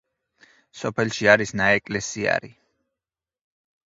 სოფელში არის ნაეკლესიარი.